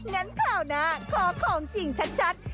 คราวหน้าขอของจริงชัด